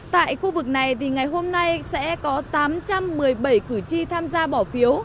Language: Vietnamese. tại khu vực này ngày hôm nay sẽ có tám trăm một mươi bảy cử tri tham gia bỏ phiếu